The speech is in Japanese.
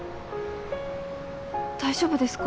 大丈夫ですか？